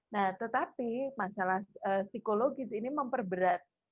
nah tetapi masalah psikologis ini memperberat